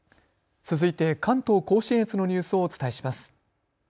続いて関東甲信越のニュースをお伝えします。